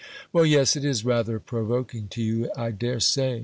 "Well, yes, it is rather provoking to you, I dare say.